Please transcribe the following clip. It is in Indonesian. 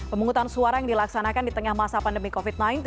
pemungutan suara yang dilaksanakan di tengah masa pandemi covid sembilan belas